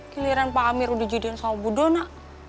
giliran pak amir udah dijudin sama bu dona